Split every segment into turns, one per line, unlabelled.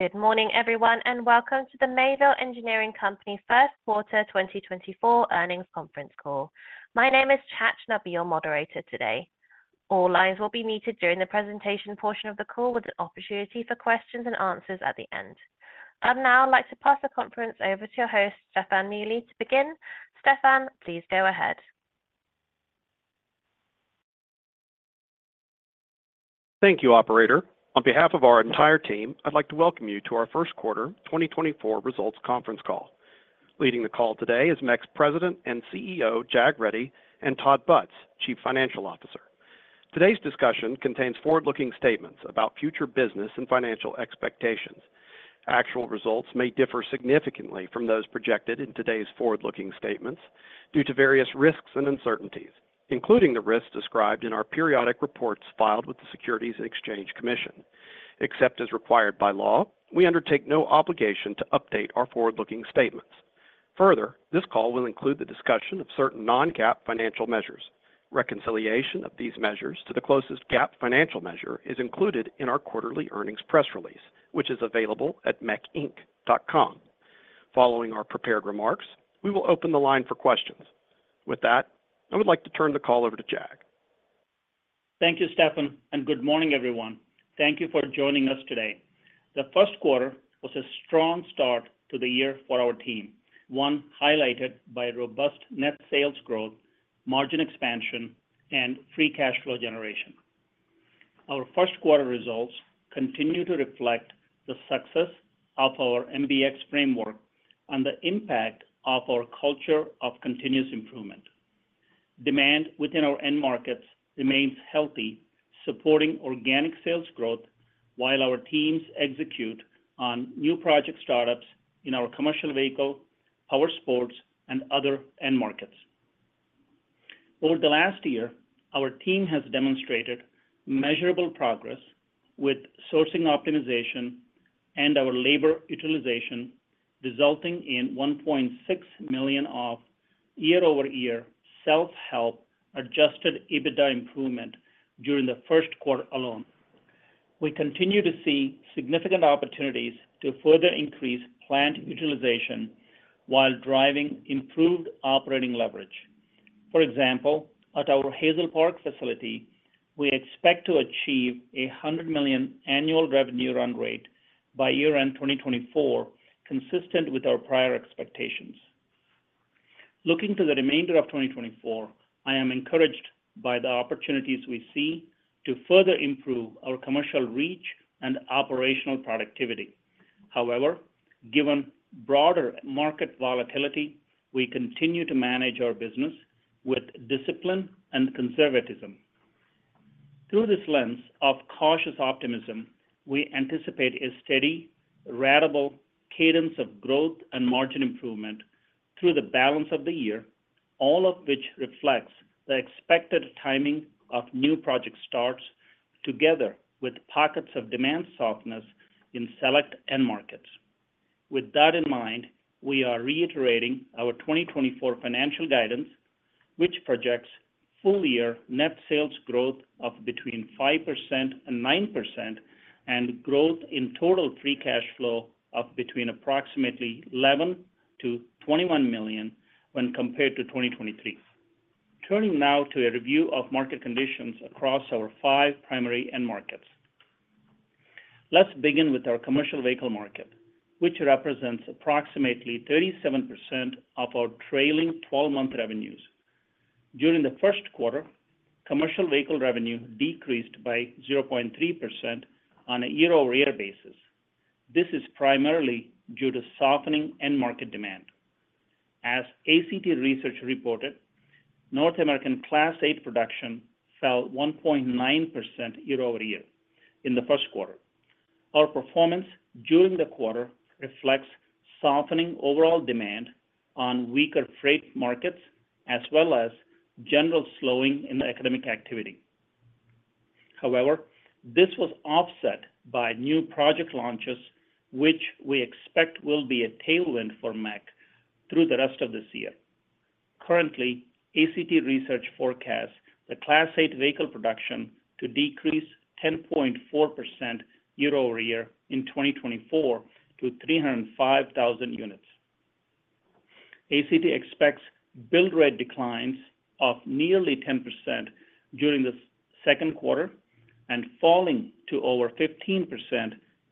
Good morning, everyone, and welcome to the Mayville Engineering Company 1st Quarter 2024 Earnings Conference Call. My name is Tash and I'll be your moderator today. All lines will be muted during the presentation portion of the call, with an opportunity for questions and answers at the end. I'd now like to pass the conference over to your host, Stefan Neely, to begin. Stefan, please go ahead.
Thank you, Operator. On behalf of our entire team, I'd like to welcome you to our first Quarter 2024 Results Conference Call. Leading the call today is MEC President and CEO Jag Reddy and Todd Butz, Chief Financial Officer. Today's discussion contains forward-looking statements about future business and financial expectations. Actual results may differ significantly from those projected in today's forward-looking statements due to various risks and uncertainties, including the risks described in our periodic reports filed with the Securities and Exchange Commission. Except as required by law, we undertake no obligation to update our forward-looking statements. Further, this call will include the discussion of certain non-GAAP financial measures. Reconciliation of these measures to the closest GAAP financial measure is included in our quarterly earnings press release, which is available at mecinc.com. Following our prepared remarks, we will open the line for questions. With that, I would like to turn the call over to Jag.
Thank you, Stefan, and good morning, everyone. Thank you for joining us today. The 1st Quarter was a strong start to the year for our team, one highlighted by robust net sales growth, margin expansion, and free cash flow generation. Our 1st Quarter results continue to reflect the success of our MBX framework and the impact of our culture of continuous improvement. Demand within our end markets remains healthy, supporting organic sales growth while our teams execute on new project startups in our Commercial Vehicle, Power Sports, and other end markets. Over the last year, our team has demonstrated measurable progress with sourcing optimization and our labor utilization, resulting in $1.6 million of year-over-year self-help Adjusted EBITDA improvement during the 1st Quarter alone. We continue to see significant opportunities to further increase plant utilization while driving improved operating leverage. For example, at our Hazel Park facility, we expect to achieve a $100 million annual revenue run rate by year-end 2024, consistent with our prior expectations. Looking to the remainder of 2024, I am encouraged by the opportunities we see to further improve our commercial reach and operational productivity. However, given broader market volatility, we continue to manage our business with discipline and conservatism. Through this lens of cautious optimism, we anticipate a steady, ratable cadence of growth and margin improvement through the balance of the year, all of which reflects the expected timing of new project starts together with pockets of demand softness in select end markets. With that in mind, we are reiterating our 2024 financial guidance, which projects full-year net sales growth of between 5% and 9% and growth in total free cash flow of between approximately $11 million- $21 million when compared to 2023. Turning now to a review of market conditions across our five primary end markets. Let's begin with our Commercial Vehicle market, which represents approximately 37% of our trailing 12-month revenues. During the 1st Quarter, Commercial Vehicle revenue decreased by 0.3% on a year-over-year basis. This is primarily due to softening end market demand. As ACT Research reported, North American Class 8 production fell 1.9% year-over-year in the 1st Quarter. Our performance during the quarter reflects softening overall demand on weaker freight markets as well as general slowing in the economic activity. However, this was offset by new project launches, which we expect will be a tailwind for MEC through the rest of this year. Currently, ACT Research forecasts the Class 8 vehicle production to decrease 10.4% year-over-year in 2024 to 305,000 units. ACT expects build rate declines of nearly 10% during the 2nd Quarter and falling to over 15%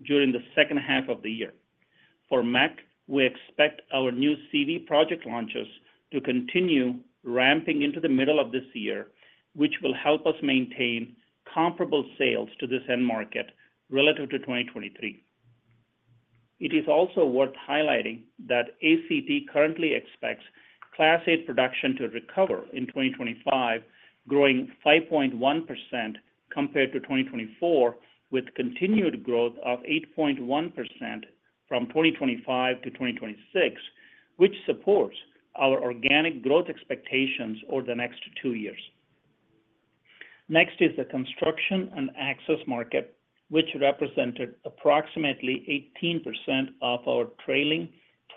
during the second half of the year. For MEC, we expect our new CV project launches to continue ramping into the middle of this year, which will help us maintain comparable sales to this end market relative to 2023. It is also worth highlighting that ACT currently expects Class 8 production to recover in 2025, growing 5.1% compared to 2024, with continued growth of 8.1% from 2025 to 2026, which supports our organic growth expectations over the next two years. Next is the construction and access market, which represented approximately 18% of our trailing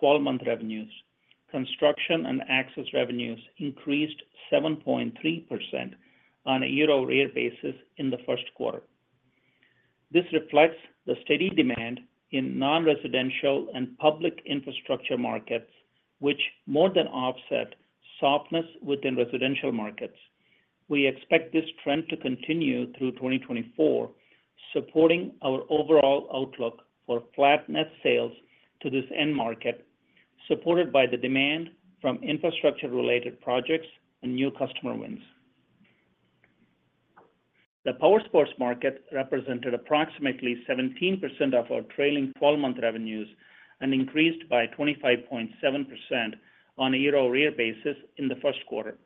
12-month revenues. Construction and access revenues increased 7.3% on a year-over-year basis in the 1st Quarter. This reflects the steady demand in non-residential and public infrastructure markets, which more than offset softness within residential markets. We expect this trend to continue through 2024, supporting our overall outlook for flat net sales to this end market, supported by the demand from infrastructure-related projects and new customer wins. The Power Sports market represented approximately 17% of our trailing 12-month revenues and increased by 25.7% on a year-over-year basis in the first quarter.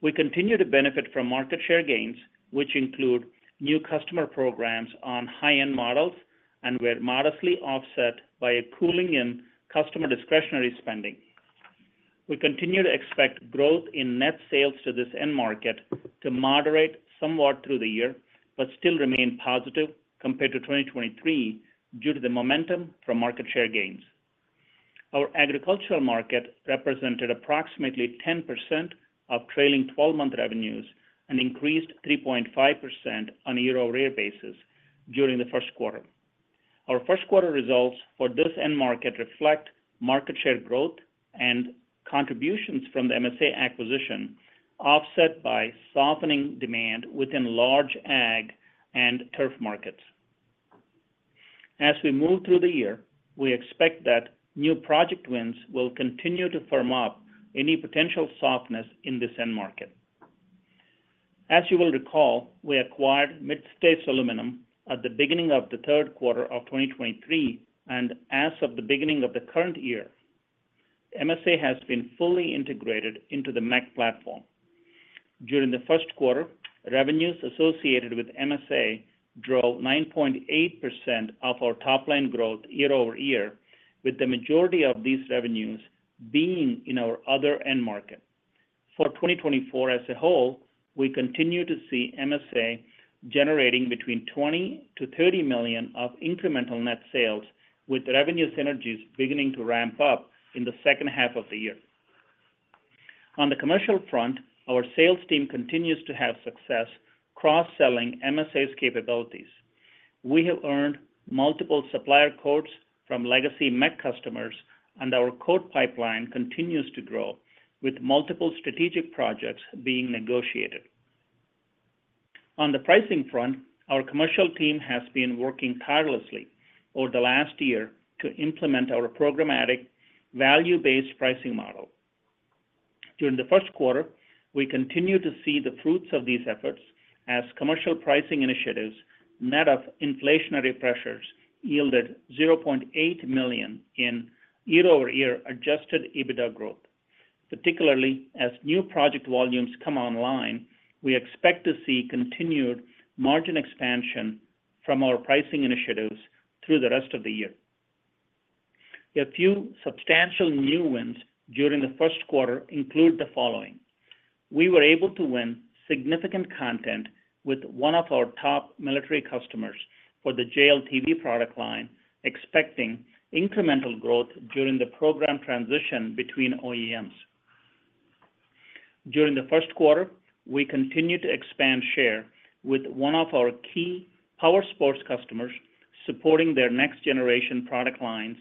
We continue to benefit from market share gains, which include new customer programs on high-end models and were modestly offset by a cooling in customer discretionary spending. We continue to expect growth in net sales to this end market to moderate somewhat through the year but still remain positive compared to 2023 due to the momentum from market share gains. Our agricultural market represented approximately 10% of trailing 12-month revenues and increased 3.5% on a year-over-year basis during the first quarter. Our first quarter results for this end market reflect market share growth and contributions from the MSA acquisition, offset by softening demand within large ag and turf markets. As we move through the year, we expect that new project wins will continue to firm up any potential softness in this end market. As you will recall, we acquired Mid-States Aluminum at the beginning of the third quarter of 2023 and as of the beginning of the current year, MSA has been fully integrated into the MBX platform. During the first quarter, revenues associated with MSA drove 9.8% of our top-line growth year-over-year, with the majority of these revenues being in our other end market. For 2024 as a whole, we continue to see MSA generating between $20 million-$30 million of incremental net sales, with revenue synergies beginning to ramp up in the second half of the year. On the commercial front, our sales team continues to have success cross-selling MSA's capabilities. We have earned multiple supplier quotes from legacy MEC customers, and our quote pipeline continues to grow, with multiple strategic projects being negotiated. On the pricing front, our commercial team has been working tirelessly over the last year to implement our programmatic, value-based pricing model. During the 1st Quarter, we continue to see the fruits of these efforts as commercial pricing initiatives, net of inflationary pressures, yielded $0.8 million in year-over-year Adjusted EBITDA growth. Particularly as new project volumes come online, we expect to see continued margin expansion from our pricing initiatives through the rest of the year. A few substantial new wins during the 1st Quarter include the following: we were able to win significant content with one of our top military customers for the JLTV product line, expecting incremental growth during the program transition between OEMs. During the 1st Quarter, we continued to expand share with one of our key Power Sports customers, supporting their next-generation product lines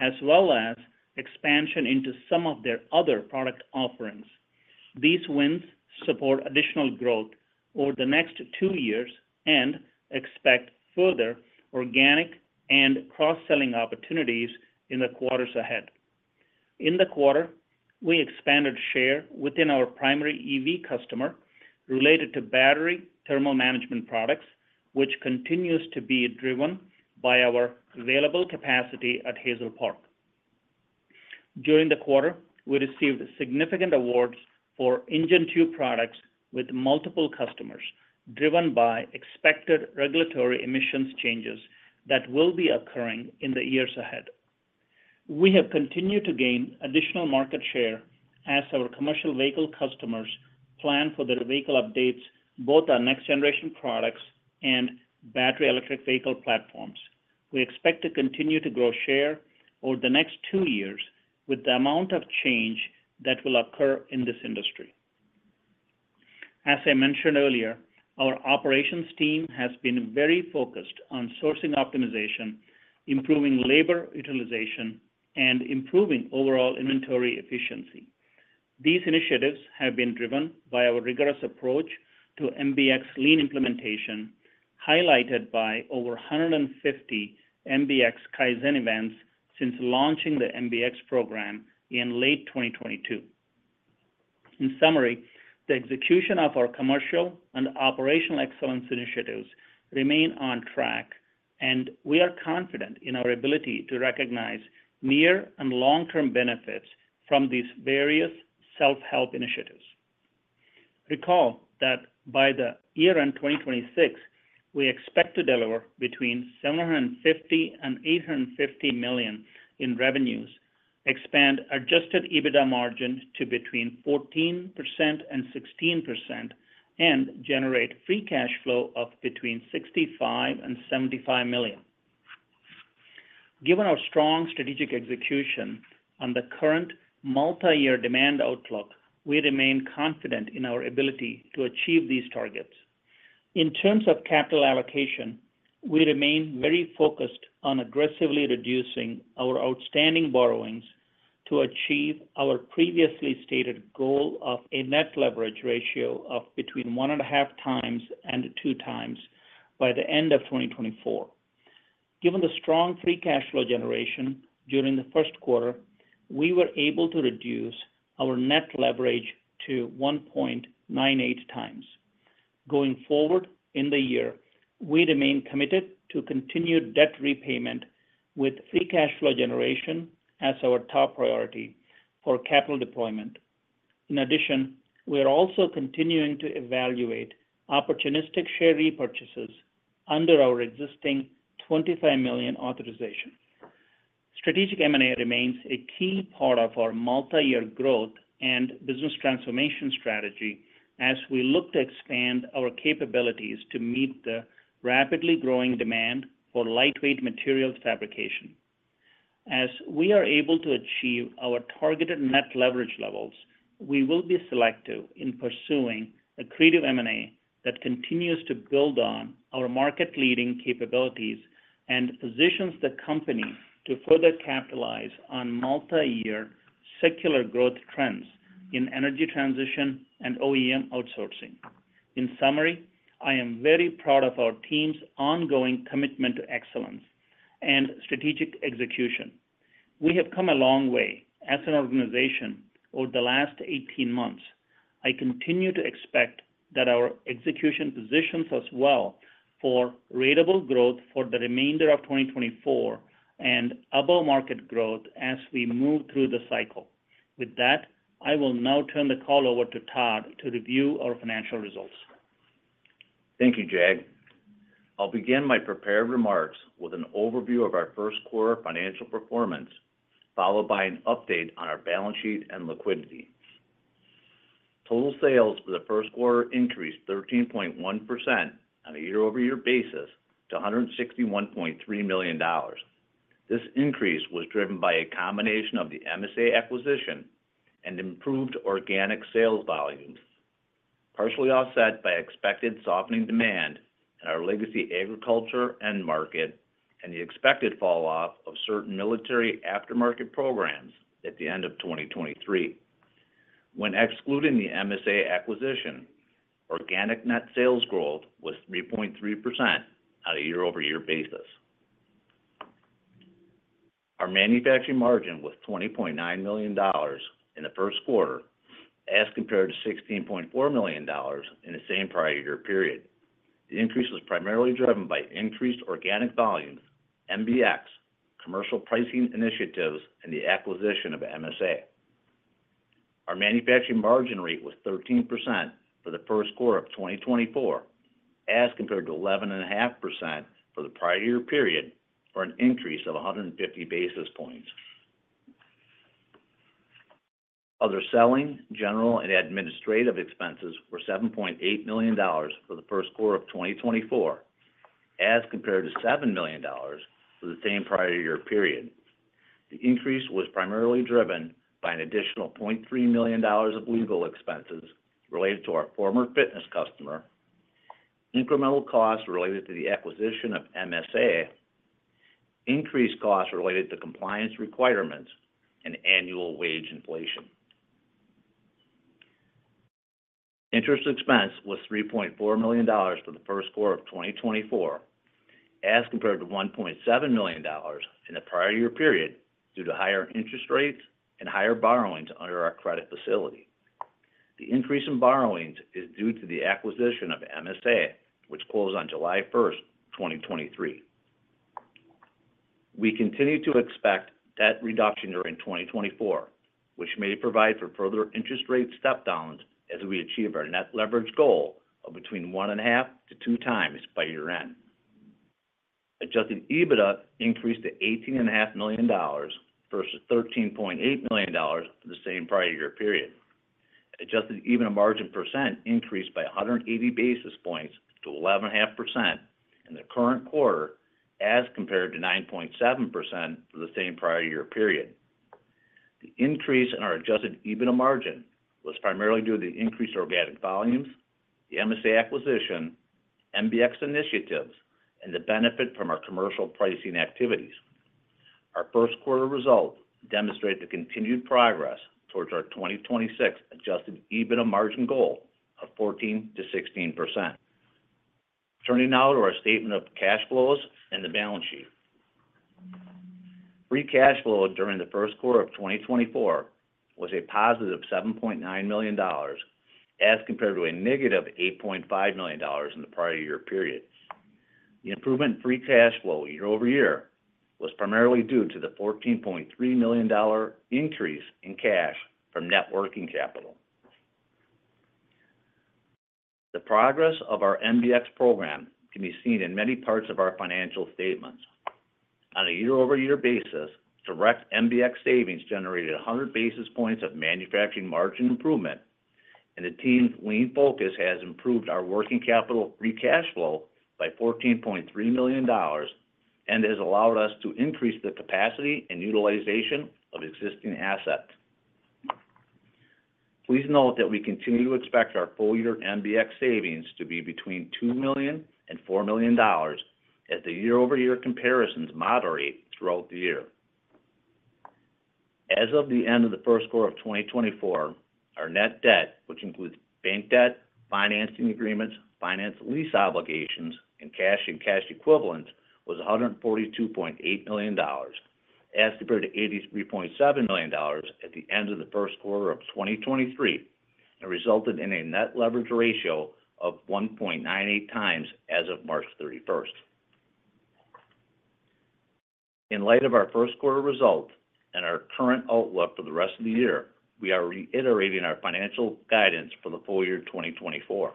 as well as expansion into some of their other product offerings. These wins support additional growth over the next two years and expect further organic and cross-selling opportunities in the quarters ahead. In the Quarter, we expanded share within our primary EV customer related to battery thermal management products, which continues to be driven by our available capacity at Hazel Park. During the quarter, we received significant awards for engine tube products with multiple customers, driven by expected regulatory emissions changes that will be occurring in the years ahead. We have continued to gain additional market share as our Commercial Vehicle customers plan for their vehicle updates, both on next-generation products and battery electric vehicle platforms. We expect to continue to grow share over the next two years with the amount of change that will occur in this industry. As I mentioned earlier, our operations team has been very focused on sourcing optimization, improving labor utilization, and improving overall inventory efficiency. These initiatives have been driven by our rigorous approach to MBX lean implementation, highlighted by over 150 MBX Kaizen events since launching the MBX program in late 2022. In summary, the execution of our commercial and operational excellence initiatives remains on track, and we are confident in our ability to recognize near and long-term benefits from these various self-help initiatives. Recall that by year-end 2026, we expect to deliver between $750 million and $850 million in revenues, expand Adjusted EBITDA margin to between 14% and 16%, and generate Free Cash Flow of between $65 million and $75 million. Given our strong strategic execution and the current multi-year demand outlook, we remain confident in our ability to achieve these targets. In terms of capital allocation, we remain very focused on aggressively reducing our outstanding borrowings to achieve our previously stated goal of a Net Leverage Ratio of between 1.5x and 2x by the end of 2024. Given the strong free cash flow generation during the 1st Quarter, we were able to reduce our net leverage to 1.98 times. Going forward in the year, we remain committed to continued debt repayment with free cash flow generation as our top priority for capital deployment. In addition, we are also continuing to evaluate opportunistic share repurchases under our existing 25 million authorization. Strategic M&A remains a key part of our multi-year growth and business transformation strategy as we look to expand our capabilities to meet the rapidly growing demand for lightweight materials fabrication. As we are able to achieve our targeted net leverage levels, we will be selective in pursuing a creative M&A that continues to build on our market-leading capabilities and positions the company to further capitalize on multi-year secular growth trends in energy transition and OEM outsourcing. In summary, I am very proud of our team's ongoing commitment to excellence and strategic execution. We have come a long way as an organization over the last 18 months. I continue to expect that our execution positions us well for ratable growth for the remainder of 2024 and above-market growth as we move through the cycle. With that, I will now turn the call over to Todd to review our financial results.
Thank you, Jag. I'll begin my prepared remarks with an overview of our first quarter financial performance, followed by an update on our balance sheet and liquidity. Total sales for the first quarter increased 13.1% on a year-over-year basis to $161.3 million. This increase was driven by a combination of the MSA acquisition and improved organic sales volumes, partially offset by expected softening demand in our legacy agriculture end market and the expected falloff of certain military aftermarket programs at the end of 2023. When excluding the MSA acquisition, organic net sales growth was 3.3% on a year-over-year basis. Our manufacturing margin was $20.9 million in the first quarter as compared to $16.4 million in the same prior year period. The increase was primarily driven by increased organic volumes, MBX, commercial pricing initiatives, and the acquisition of MSA. Our manufacturing margin rate was 13% for the 1st Quarter of 2024 as compared to 11.5% for the prior year period, for an increase of 150 basis points. Other selling, general, and administrative expenses were $7.8 million for the 1st Quarter of 2024 as compared to $7 million for the same prior year period. The increase was primarily driven by an additional $0.3 million of legal expenses related to our former fitness customer, incremental costs related to the acquisition of MSA, increased costs related to compliance requirements, and annual wage inflation. Interest expense was $3.4 million for the 1st Quarter of 2024 as compared to $1.7 million in the prior year period due to higher interest rates and higher borrowings under our credit facility. The increase in borrowings is due to the acquisition of MSA, which closed on July 1st, 2023. We continue to expect debt reduction during 2024, which may provide for further interest rate step-downs as we achieve our net leverage goal of between 1.5-2 times by year-end. Adjusted EBITDA increased to $18.5 million versus $13.8 million for the same prior year period. Adjusted EBITDA margin percent increased by 180 basis points to 11.5% in the current quarter as compared to 9.7% for the same prior year period. The increase in our adjusted EBITDA margin was primarily due to the increased organic volumes, the MSA acquisition, MBX initiatives, and the benefit from our commercial pricing activities. Our first quarter results demonstrate the continued progress towards our 2026 adjusted EBITDA margin goal of 14%-16%. Turning now to our statement of cash flows and the balance sheet. Free cash flow during the first quarter of 2024 was a positive $7.9 million as compared to a negative $8.5 million in the prior year period. The improvement in free cash flow year-over-year was primarily due to the $14.3 million increase in cash from net working capital. The progress of our MBX program can be seen in many parts of our financial statements. On a year-over-year basis, direct MBX savings generated 100 basis points of manufacturing margin improvement, and the team's lean focus has improved our working capital free cash flow by $14.3 million and has allowed us to increase the capacity and utilization of existing assets. Please note that we continue to expect our full-year MBX savings to be between $2 million and $4 million as the year-over-year comparisons moderate throughout the year. As of the end of the 1st Quarter of 2024, our net debt, which includes bank debt, financing agreements, finance lease obligations, and cash and cash equivalents, was $142.8 million as compared to $83.7 million at the end of the 1st Quarter of 2023 and resulted in a net leverage ratio of 1.98 times as of March 31st. In light of our 1st Quarter results and our current outlook for the rest of the year, we are reiterating our financial guidance for the full year 2024.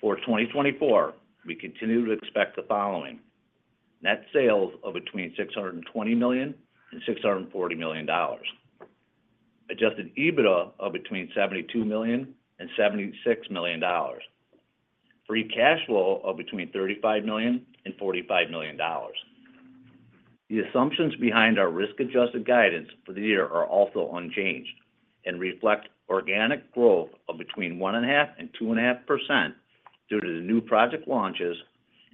For 2024, we continue to expect the following: net sales of between $620-$640 million, Adjusted EBITDA of between $72-$76 million, Free Cash Flow of between $35-$45 million. The assumptions behind our risk-adjusted guidance for the year are also unchanged and reflect organic growth of between 1.5% and 2.5% due to the new project launches,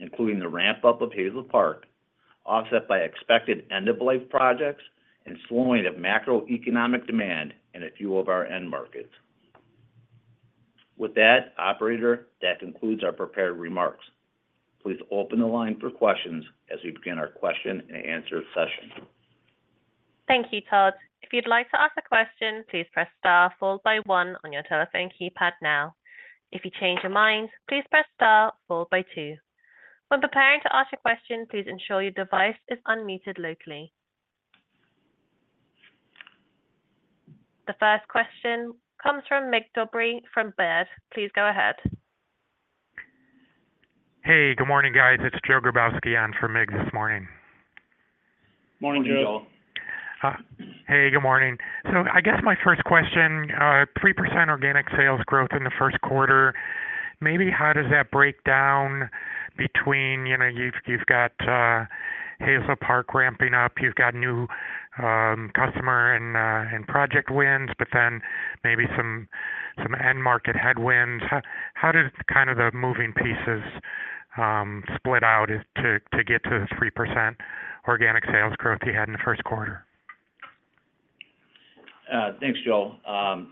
including the ramp-up of Hazel Park, offset by expected end-of-life projects, and slowing of macroeconomic demand in a few of our end markets. With that, operator, that concludes our prepared remarks. Please open the line for questions as we begin our question-and-answer session.
Thank you, Todd. If you'd like to ask a question, please press star followed by one on your telephone keypad now. If you change your mind, please press star followed by two. When preparing to ask a question, please ensure your device is unmuted locally. The first question comes from Mig Dobre from Baird. Please go ahead.
Hey, good morning, guys. It's Joe Grabowski on for Mig this morning.
Morning, Joe. Hey, good morning. So I guess my first question, 3% organic sales growth in the first quarter, maybe how does that break down between you've got Hazel Park ramping up, you've got new customer and project wins, but then maybe some end-market headwinds. How did kind of the moving pieces split out to get to the 3% organic sales growth you had in the first quarter?
Thanks, Joe.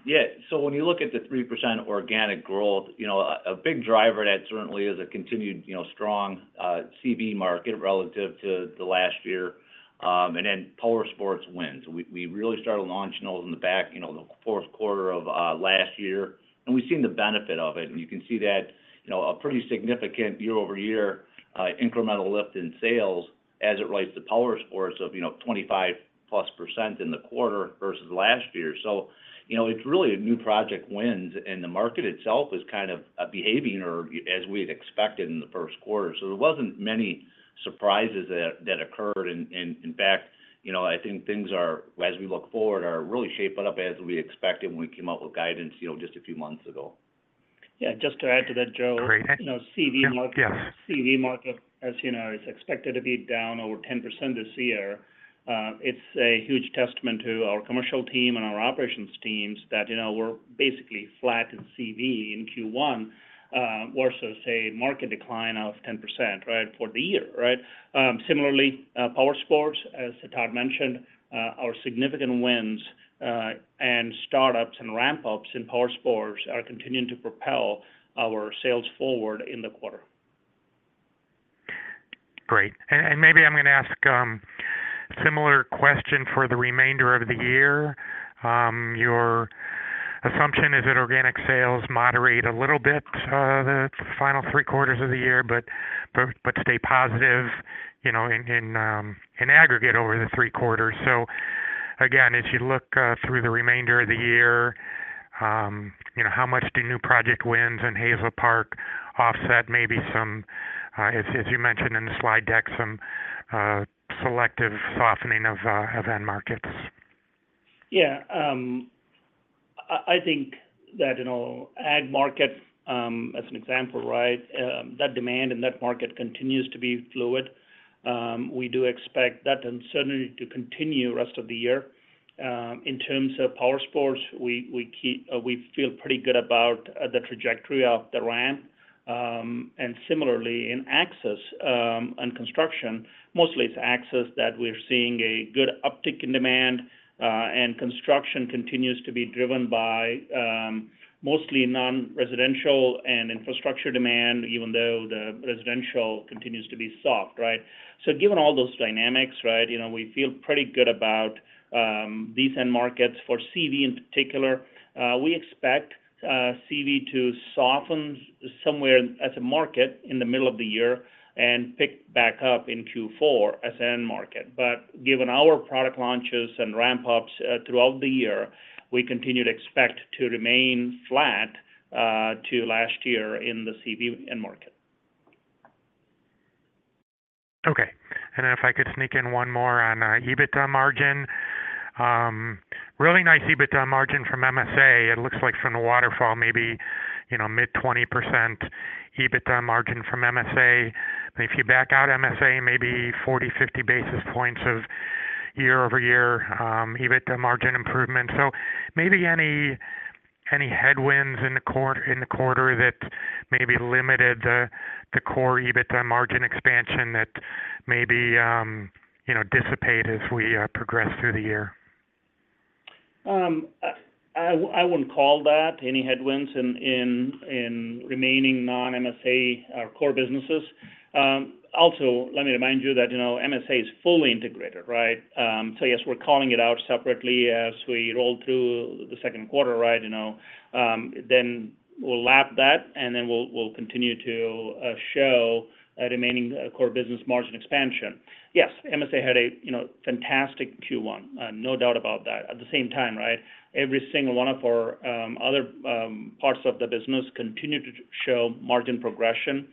Yeah, so when you look at the 3% organic growth, a big driver of that certainly is a continued strong CV market relative to the last year and then Power Sports wins. We really started launching those in the back, the 1st Quarter of last year, and we've seen the benefit of it. And you can see that a pretty significant year-over-year incremental lift in sales as it relates to Power Sports of 25%+ in the quarter versus last year. So it's really new project wins, and the market itself is kind of behaving as we had expected in the 1st Quarter. So there wasn't many surprises that occurred. In fact, I think things, as we look forward, are really shaping up as we expected when we came out with guidance just a few months ago.
Yeah, just to add to that, Joe, CV market, as you know, is expected to be down over 10% this year. It's a huge testament to our commercial team and our operations teams that we're basically flat in CV in Q1 versus, say, market decline of 10%, right, for the year, right? Similarly, Power Sports, as Todd mentioned, our significant wins and startups and ramp-ups in Power Sports are continuing to propel our sales forward in the quarter.
Great. Maybe I'm going to ask a similar question for the remainder of the year. Your assumption is that organic sales moderate a little bit the final three quarters of the year but stay positive in aggregate over the three quarters. Again, as you look through the remainder of the year, how much do new project wins in Hazel Park offset maybe some, as you mentioned in the slide deck, some selective softening of end markets?
Yeah. I think that in all ag markets, as an example, right, that demand in that market continues to be fluid. We do expect that uncertainty to continue the rest of the year. In terms of Power Sports, we feel pretty good about the trajectory of the ramp. And similarly, in access and construction, mostly it's access that we're seeing a good uptick in demand, and construction continues to be driven by mostly non-residential and infrastructure demand, even though the residential continues to be soft, right? So given all those dynamics, right, we feel pretty good about these end markets. For CV in particular, we expect CV to soften somewhere as a market in the middle of the year and pick back up in Q4 as an end market. But given our product launches and ramp-ups throughout the year, we continue to expect to remain flat to last year in the CV end market.
Okay. And if I could sneak in one more on EBITDA margin. Really nice EBITDA margin from MSA. It looks like from the waterfall, maybe mid-20% EBITDA margin from MSA. If you back out MSA, maybe 40, 50 basis points of year-over-year EBITDA margin improvement. So maybe any headwinds in the quarter that maybe limited the core EBITDA margin expansion that maybe dissipate as we progress through the year?
I wouldn't call that any headwinds in remaining non-MSA core businesses. Also, let me remind you that MSA is fully integrated, right? So yes, we're calling it out separately as we roll through the second quarter, right? Then we'll lap that, and then we'll continue to show remaining core business margin expansion. Yes, MSA had a fantastic Q1, no doubt about that. At the same time, right, every single one of our other parts of the business continued to show margin progression.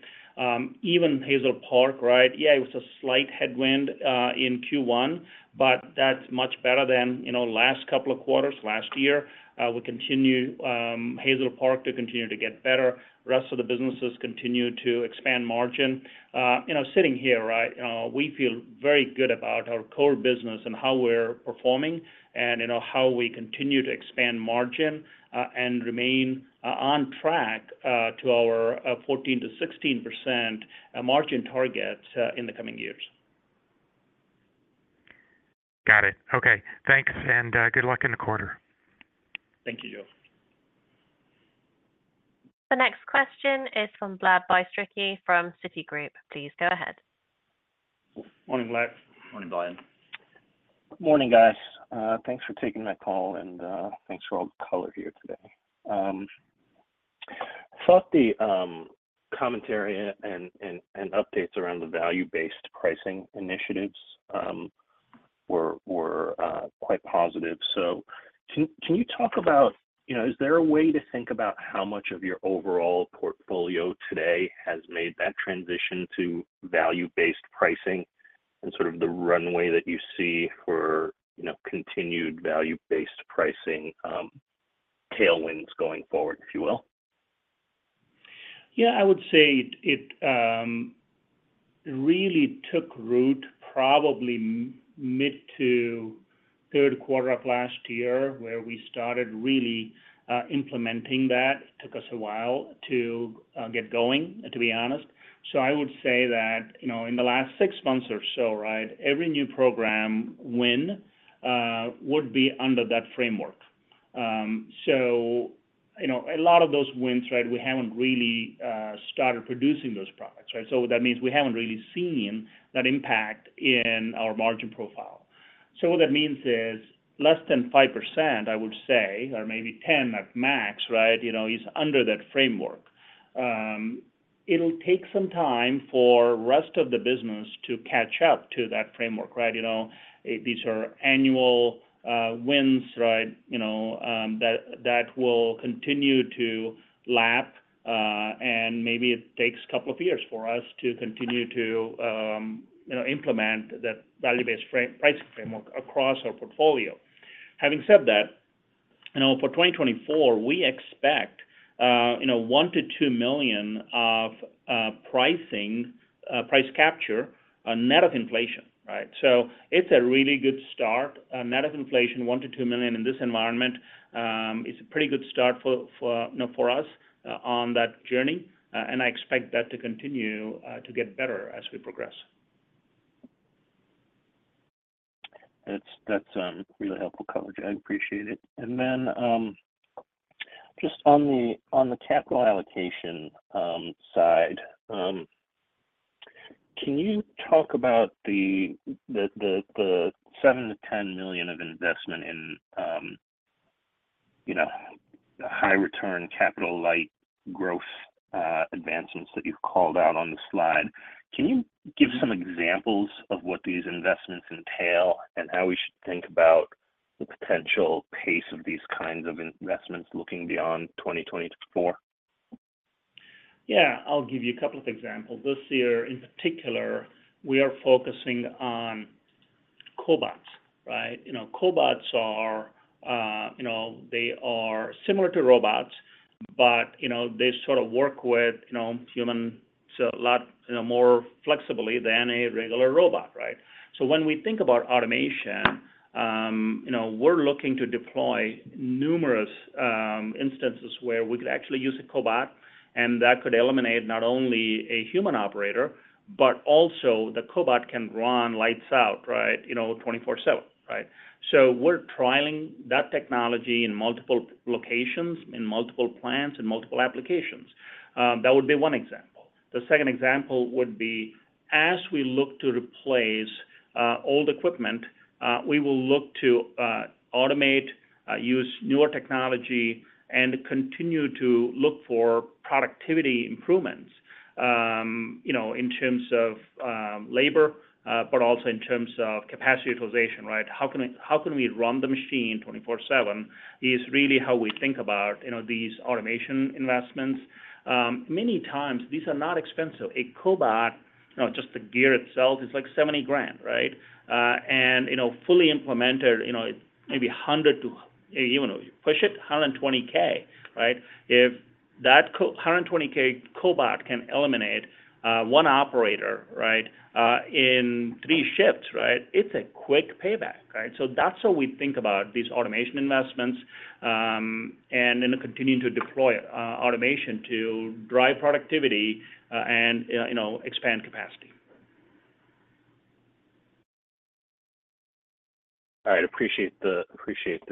Even Hazel Park, right? Yeah, it was a slight headwind in Q1, but that's much better than last couple of quarters last year. Hazel Park to continue to get better. The rest of the businesses continue to expand margin. Sitting here, right, we feel very good about our core business and how we're performing and how we continue to expand margin and remain on track to our 14%-16% margin targets in the coming years.
Got it. Okay. Thanks, and good luck in the quarter.
Thank you, Joe.
The next question is from Vlad Bystricky from Citigroup. Please go ahead.
Morning, Vlad.
Morning, Vlad.
Morning, guys. Thanks for taking my call, and thanks for all the color here today. Thought the commentary and updates around the value-based pricing initiatives were quite positive. So can you talk about is there a way to think about how much of your overall portfolio today has made that transition to value-based pricing and sort of the runway that you see for continued value-based pricing tailwinds going forward, if you will?
Yeah, I would say it really took root probably mid to third quarter of last year where we started really implementing that. It took us a while to get going, to be honest. So I would say that in the last six months or so, right, every new program win would be under that framework. So a lot of those wins, right, we haven't really started producing those products, right? So that means we haven't really seen that impact in our margin profile. So what that means is less than 5%, I would say, or maybe 10% at max, right, is under that framework. It'll take some time for the rest of the business to catch up to that framework, right? These are annual wins, right, that will continue to lap, and maybe it takes a couple of years for us to continue to implement that value-based pricing framework across our portfolio. Having said that, for 2024, we expect $1 million-$2 million of price capture net of inflation, right? So it's a really good start. Net of inflation, $1 million-$2 million in this environment is a pretty good start for us on that journey, and I expect that to continue to get better as we progress.
That's really helpful, color. I appreciate it. Then just on the capital allocation side, can you talk about the $7 million-$10 million of investment in high-return capital-like growth advancements that you've called out on the slide? Can you give some examples of what these investments entail and how we should think about the potential pace of these kinds of investments looking beyond 2024?
Yeah, I'll give you a couple of examples. This year, in particular, we are focusing on cobots, right? Cobots, they are similar to robots, but they sort of work with humans a lot more flexibly than a regular robot, right? So when we think about automation, we're looking to deploy numerous instances where we could actually use a cobot, and that could eliminate not only a human operator, but also the cobot can run lights out, right, 24/7, right? So we're trialing that technology in multiple locations, in multiple plants, in multiple applications. That would be one example. The second example would be as we look to replace old equipment, we will look to automate, use newer technology, and continue to look for productivity improvements in terms of labor but also in terms of capacity utilization, right? How can we run the machine 24/7 is really how we think about these automation investments. Many times, these are not expensive. A cobot, just the gear itself, is like $70,000, right? And fully implemented, maybe $100,000 to even push it, $120,000, right? If that $120,000 cobot can eliminate one operator, right, in three shifts, right, it's a quick payback, right? So that's how we think about these automation investments and continuing to deploy automation to drive productivity and expand capacity.
All right. Appreciate the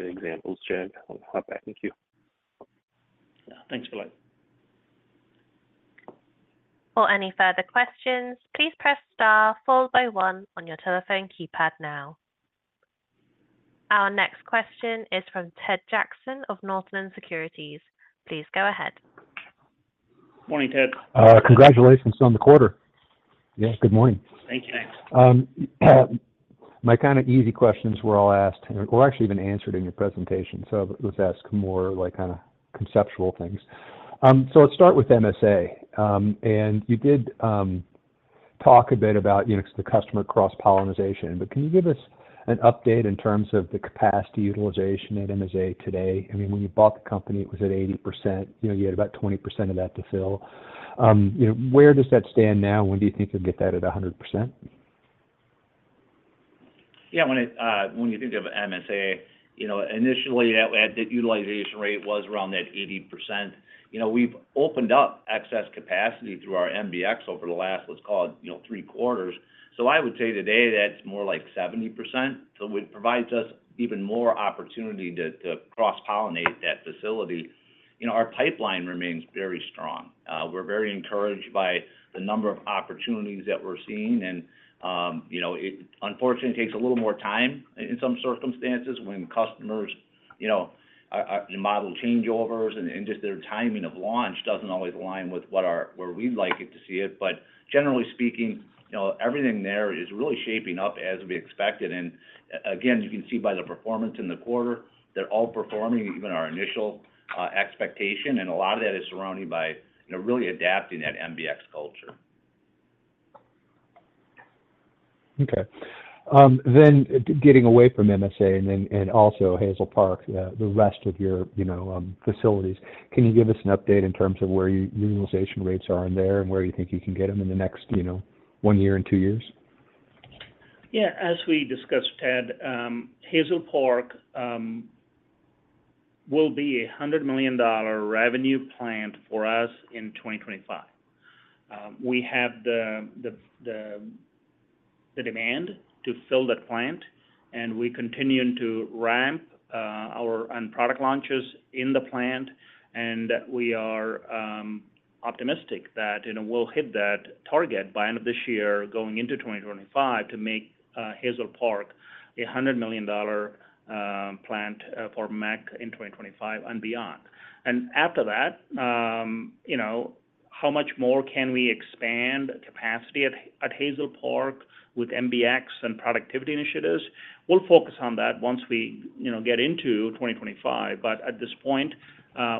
examples, Jag. I'll hop back. Thank you.
Yeah, thanks, Vlad.
For any further questions, please press star followed by one on your telephone keypad now. Our next question is from Ted Jackson of Northland Securities. Please go ahead.
Morning, Ted.
Congratulations on the quarter. Yeah, good morning.
Thank you.
My kind of easy questions were all asked or actually even answered in your presentation. It was asked more kind of conceptual things. Let's start with MSA. And you did talk a bit about the customer cross-pollination, but can you give us an update in terms of the capacity utilization at MSA today? I mean, when you bought the company, it was at 80%. You had about 20% of that to fill. Where does that stand now? When do you think you'll get that at 100%?
Yeah, when you think of MSA, initially, that utilization rate was around that 80%. We've opened up excess capacity through our MBX over the last, let's call it, three quarters. So I would say today, that's more like 70%. So it provides us even more opportunity to cross-pollinate that facility. Our pipeline remains very strong. We're very encouraged by the number of opportunities that we're seeing. And unfortunately, it takes a little more time in some circumstances when customers model changeovers, and just their timing of launch doesn't always align with where we'd like it to see it. But generally speaking, everything there is really shaping up as we expected. And again, you can see by the performance in the quarter, they're all performing even our initial expectation. And a lot of that is surrounded by really adapting that MBX culture.
Okay. Then getting away from MSA and also Hazel Park, the rest of your facilities, can you give us an update in terms of where your utilization rates are in there and where you think you can get them in the next one year and two years?
Yeah. As we discussed, Ted, Hazel Park will be a $100 million revenue plant for us in 2025. We have the demand to fill that plant, and we continue to ramp our end product launches in the plant. And we are optimistic that we'll hit that target by end of this year going into 2025 to make Hazel Park a $100 million plant for MEC in 2025 and beyond. And after that, how much more can we expand capacity at Hazel Park with MBX and productivity initiatives? We'll focus on that once we get into 2025. But at this point,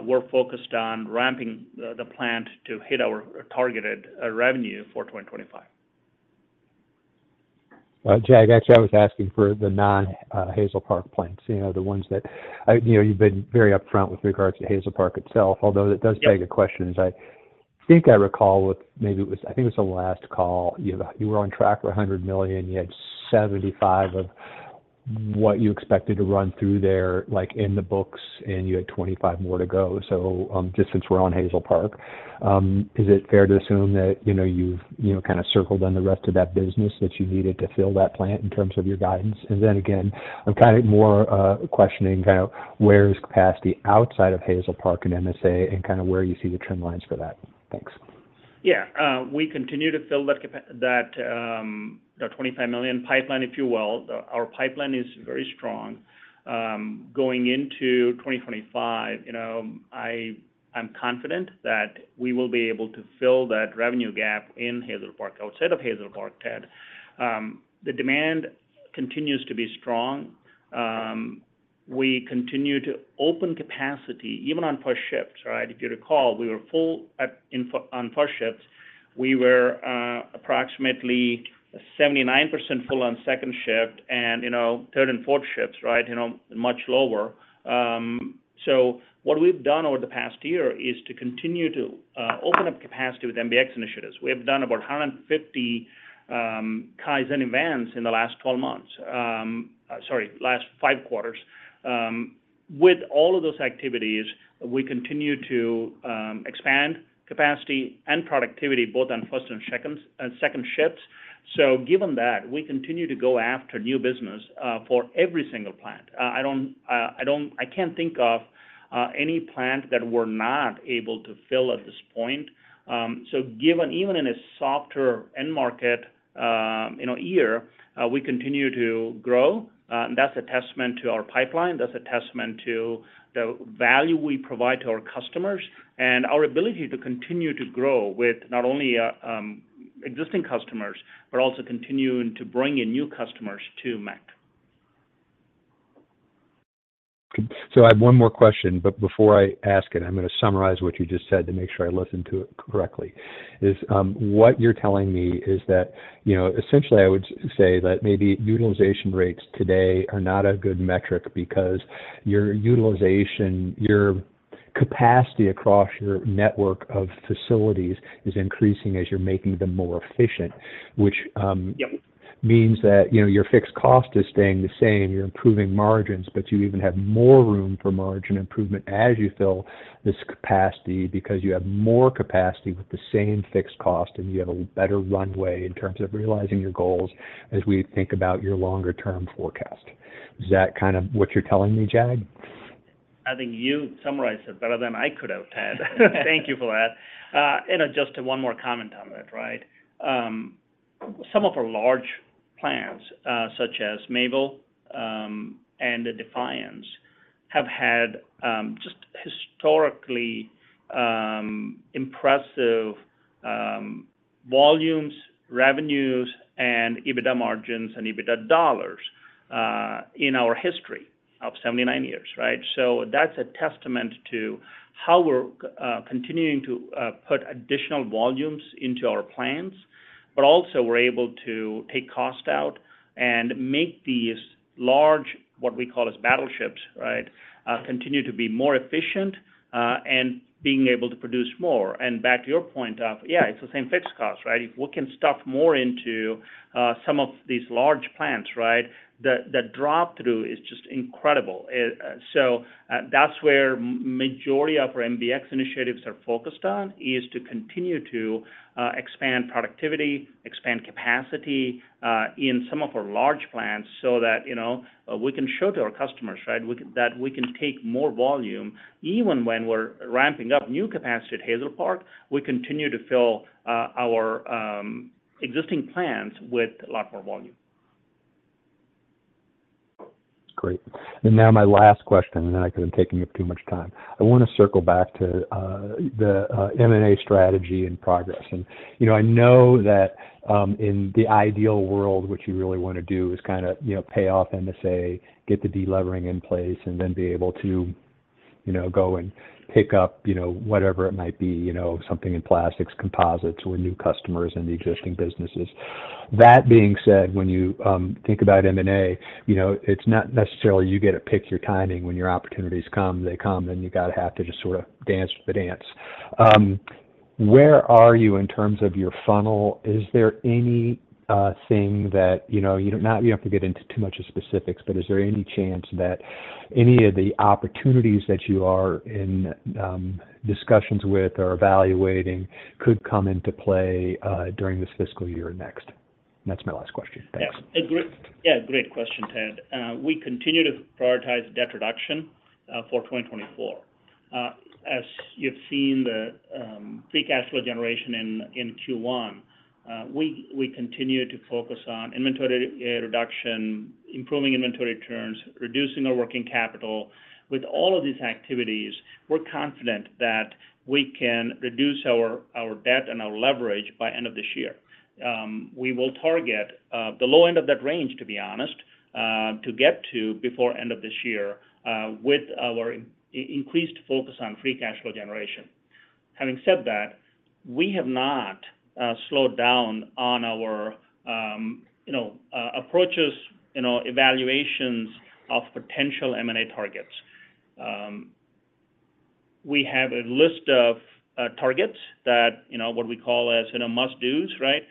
we're focused on ramping the plant to hit our targeted revenue for 2025.
Well, Jag, actually, I was asking for the non-Hazel Park plants, the ones that you've been very upfront with regards to Hazel Park itself. Although that does beg a question, as I think I recall with maybe it was I think it was on the last call. You were on track for $100 million. You had $75 million of what you expected to run through there in the books, and you had $25 million more to go. So just since we're on Hazel Park, is it fair to assume that you've kind of circled on the rest of that business that you needed to fill that plant in terms of your guidance? And then again, I'm kind of more questioning kind of where is capacity outside of Hazel Park and MSA and kind of where you see the trend lines for that. Thanks.
Yeah. We continue to fill that $25 million pipeline, if you will. Our pipeline is very strong. Going into 2025, I'm confident that we will be able to fill that revenue gap in Hazel Park, outside of Hazel Park, Ted. The demand continues to be strong. We continue to open capacity even on first shifts, right? If you recall, we were full on first shifts. We were approximately 79% full on second shift and third and fourth shifts, right, much lower. So what we've done over the past year is to continue to open up capacity with MBX initiatives. We have done about 150 Kaizen events in the last 12 months sorry, last five quarters. With all of those activities, we continue to expand capacity and productivity both on first and second shifts. So given that, we continue to go after new business for every single plant. I can't think of any plant that we're not able to fill at this point. So even in a softer end-market year, we continue to grow. And that's a testament to our pipeline. That's a testament to the value we provide to our customers and our ability to continue to grow with not only existing customers but also continue to bring in new customers to MEC.
So I have one more question, but before I ask it, I'm going to summarize what you just said to make sure I listened to it correctly. What you're telling me is that essentially, I would say that maybe utilization rates today are not a good metric because your capacity across your network of facilities is increasing as you're making them more efficient, which means that your fixed cost is staying the same. You're improving margins, but you even have more room for margin improvement as you fill this capacity because you have more capacity with the same fixed cost, and you have a better runway in terms of realizing your goals as we think about your longer-term forecast. Is that kind of what you're telling me, Jag?
I think you summarized it better than I could have, Ted. Thank you for that. Just one more comment on that, right? Some of our large plants such as Mayville and Defiance have had just historically impressive volumes, revenues, and EBITDA margins and EBITDA dollars in our history of 79 years, right? So that's a testament to how we're continuing to put additional volumes into our plants, but also we're able to take cost out and make these large, what we call as battleships, right, continue to be more efficient and being able to produce more. And back to your point of, yeah, it's the same fixed cost, right? If we can stuff more into some of these large plants, right, the dropthrough is just incredible. So that's where the majority of our MBX initiatives are focused on, is to continue to expand productivity, expand capacity in some of our large plants so that we can show to our customers, right, that we can take more volume even when we're ramping up new capacity at Hazel Park. We continue to fill our existing plants with a lot more volume.
Great. And now my last question, and then I could have taken up too much time. I want to circle back to the M&A strategy and progress. And I know that in the ideal world, what you really want to do is kind of pay off MSA, get the delevering in place, and then be able to go and pick up whatever it might be, something in plastics, composites, or new customers in the existing businesses. That being said, when you think about M&A, it's not necessarily you get to pick your timing. When your opportunities come, they come, and you got to have to just sort of dance to the dance. Where are you in terms of your funnel? Is there anything that you don't have to get into too much of specifics, but is there any chance that any of the opportunities that you are in discussions with or evaluating could come into play during this fiscal year next? That's my last question. Thanks.
Yeah, great question, Ted. We continue to prioritize debt reduction for 2024. As you've seen the free cash flow generation in Q1, we continue to focus on inventory reduction, improving inventory returns, reducing our working capital. With all of these activities, we're confident that we can reduce our debt and our leverage by end of this year. We will target the low end of that range, to be honest, to get to before end of this year with our increased focus on free cash flow generation. Having said that, we have not slowed down on our approaches, evaluations of potential M&A targets. We have a list of targets that what we call as must-dos, right?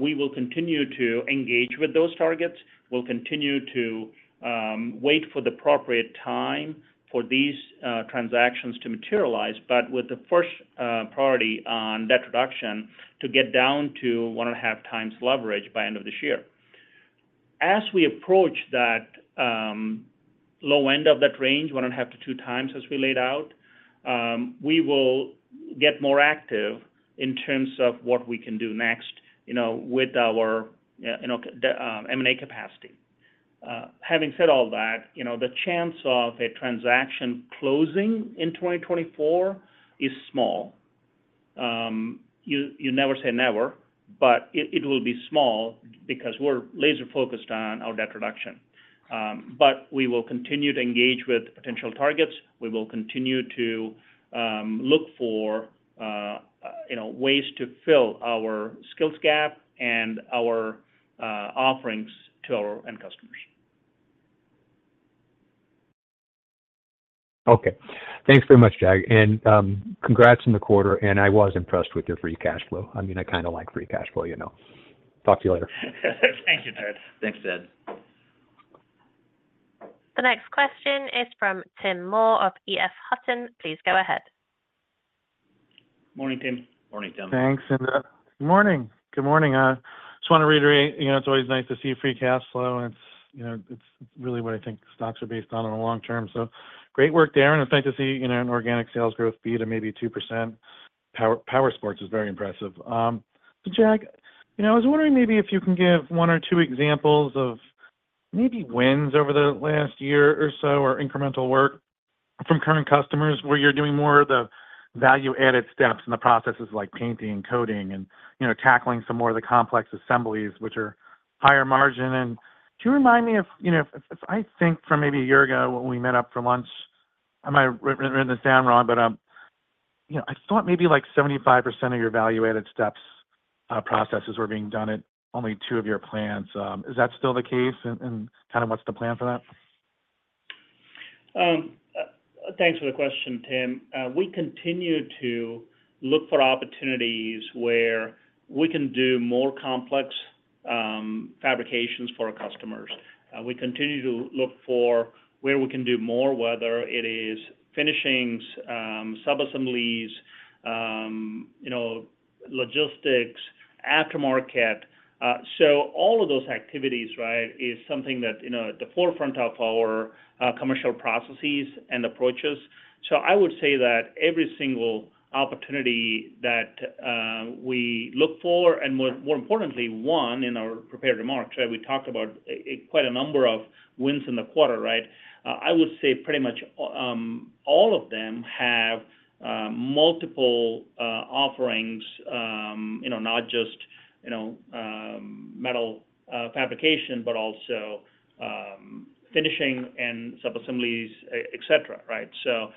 We will continue to engage with those targets. We'll continue to wait for the appropriate time for these transactions to materialize, but with the first priority on debt reduction to get down to 1.5 times leverage by end of this year. As we approach that low end of that range, 1.5 to 2 times as we laid out, we will get more active in terms of what we can do next with our M&A capacity. Having said all that, the chance of a transaction closing in 2024 is small. You never say never, but it will be small because we're laser-focused on our debt reduction. But we will continue to engage with potential targets. We will continue to look for ways to fill our skills gap and our offerings to our end customers.
Okay. Thanks very much, Jag. Congrats on the quarter. I was impressed with your free cash flow. I mean, I kind of like free cash flow. Talk to you later.
Thank you, Ted.
Thanks, Ted.
The next question is from Tim Moore of EF Hutton. Please go ahead.
Morning, Tim.
Morning, Tim.
Thanks, Linda. Good morning. Good morning. I just want to reiterate, it's always nice to see free cash flow, and it's really what I think stocks are based on in the long term. So great work there. It's nice to see an organic sales growth beat of maybe 2%. Power Sports is very impressive. So, Jag, I was wondering maybe if you can give one or two examples of maybe wins over the last year or so or incremental work from current customers where you're doing more of the value-added steps in the processes like painting and coating and tackling some more of the complex assemblies, which are higher margin. And can you remind me if I think from maybe a year ago when we met up for lunch? I might have written this down wrong, but I thought maybe like 75% of your value-added steps processes were being done at only two of your plants. Is that still the case? Kind of, what's the plan for that?
Thanks for the question, Tim. We continue to look for opportunities where we can do more complex fabrications for our customers. We continue to look for where we can do more, whether it is finishings, subassemblies, logistics, aftermarket. So all of those activities, right, is something that is at the forefront of our commercial processes and approaches. So I would say that every single opportunity that we look for and more importantly, one in our prepared remarks, right, we talked about quite a number of wins in the quarter, right? I would say pretty much all of them have multiple offerings, not just metal fabrication but also finishing and subassemblies, etc., right? So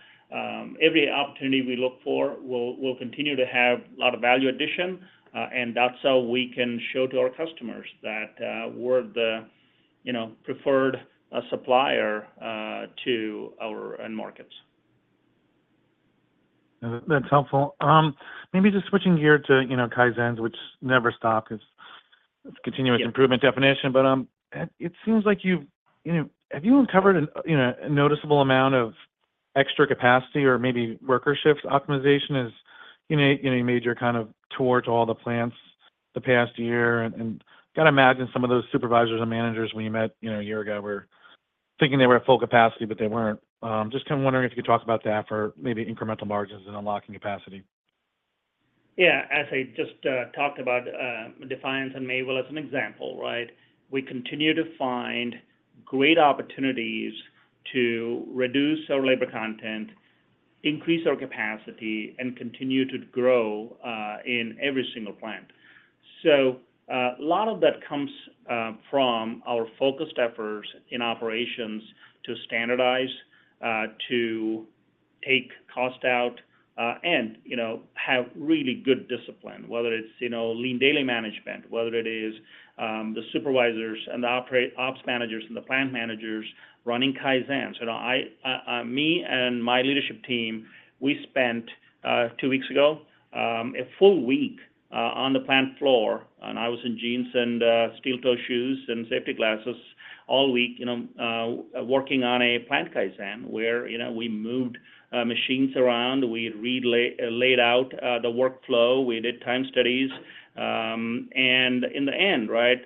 every opportunity we look for will continue to have a lot of value addition. And that's how we can show to our customers that we're the preferred supplier to our end markets.
That's helpful. Maybe just switching gear to Kaizens, which never stopped its continuous improvement definition. But it seems like you've uncovered a noticeable amount of extra capacity or maybe worker shifts optimization as you made your kind of tour to all the plants the past year? And I got to imagine some of those supervisors and managers when you met a year ago were thinking they were at full capacity, but they weren't. Just kind of wondering if you could talk about that for maybe incremental margins and unlocking capacity.
Yeah. As I just talked about Defiance and Mayville as an example, right, we continue to find great opportunities to reduce our labor content, increase our capacity, and continue to grow in every single plant. So a lot of that comes from our focused efforts in operations to standardize, to take cost out, and have really good discipline, whether it's lean daily management, whether it is the supervisors and the ops managers and the plant managers running Kaizens. Me and my leadership team, we spent two weeks ago a full week on the plant floor, and I was in jeans and steel toe shoes and safety glasses all week working on a plant Kaizen where we moved machines around. We laid out the workflow. We did time studies. And in the end, right,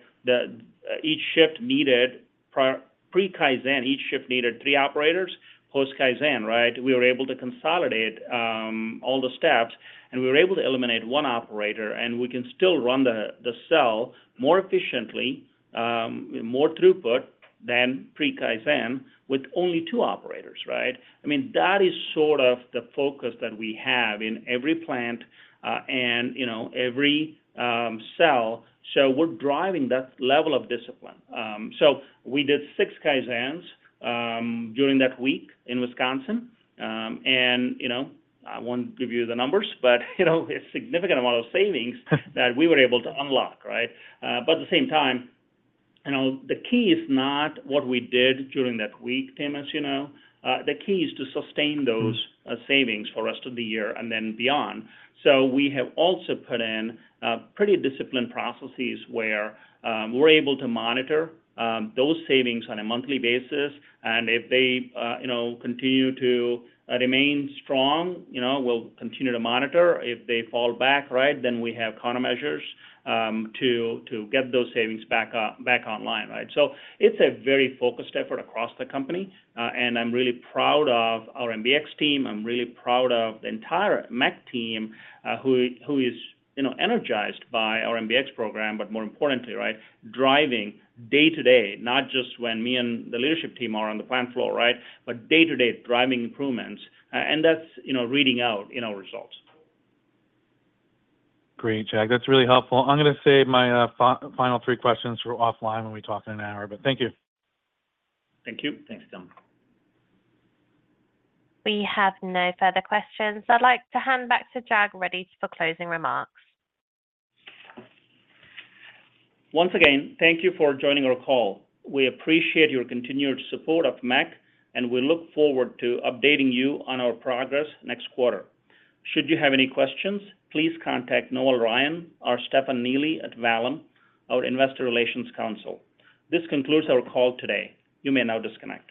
each shift needed pre-Kaizen, each shift needed three operators. Post-Kaizen, right? We were able to consolidate all the steps, and we were able to eliminate one operator. We can still run the cell more efficiently, more throughput than pre-Kaizen with only two operators, right? I mean, that is sort of the focus that we have in every plant and every cell. We're driving that level of discipline. We did six Kaizens during that week in Wisconsin. I won't give you the numbers, but it's a significant amount of savings that we were able to unlock, right? But at the same time, the key is not what we did during that week, Tim, as you know. The key is to sustain those savings for the rest of the year and then beyond. We have also put in pretty disciplined processes where we're able to monitor those savings on a monthly basis. And if they continue to remain strong, we'll continue to monitor. If they fall back, right, then we have countermeasures to get those savings back online, right? So it's a very focused effort across the company. And I'm really proud of our MBX team. I'm really proud of the entire MEC team who is energized by our MBX program, but more importantly, right, driving day-to-day, not just when me and the leadership team are on the plant floor, right, but day-to-day driving improvements. And that's reading out results.
Great, Jag. That's really helpful. I'm going to save my final three questions for offline when we talk in an hour, but thank you.
Thank you.
Thanks, Tim.
We have no further questions. I'd like to hand back to Jag Reddy, ready for closing remarks.
Once again, thank you for joining our call. We appreciate your continued support of MEC, and we look forward to updating you on our progress next quarter. Should you have any questions, please contact Noel Ryan or Stefan Neely at Vallum, our Investor Relations consultants. This concludes our call today. You may now disconnect.